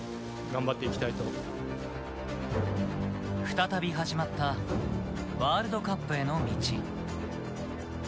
再び始まったワールドカップへの道。